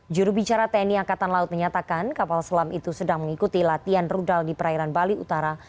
jurubicara tni angkatan laut menyatakan kapal selam itu sedang mengikuti latihan rudal di perairan bali utara